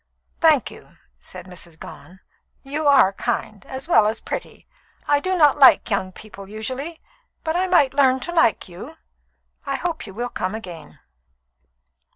"Thank you," said Mrs. Gone. "You are kind, as well as pretty. I do not like young people usually, but I might learn to like you. I hope you will come again."